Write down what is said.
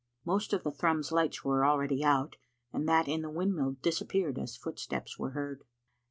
Most of the Thrums lights were already out, and that in the windmill disappeared as footsteps were heard.